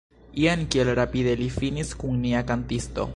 Jen kiel rapide li finis kun nia kantisto!